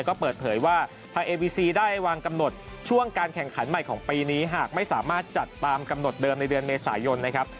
ก็เปิดเผยว่าทางเอวีซีได้วางกำหนดช่วงการแข่งขันใหม่ของปีนี้หากไม่สามารถจัดตามกำหนดเดิมในเดือนเมษายนนะครับ